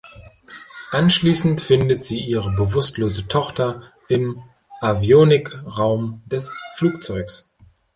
Anschließend findet sie ihre bewusstlose Tochter im Avionik-Raum des Flugzeuges.